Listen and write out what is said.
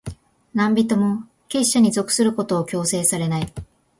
何人も、結社に属することを強制されない。